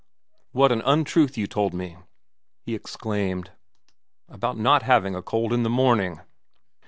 ' What an untruth you told me,' he exclaimed, * about not having a cold in the morning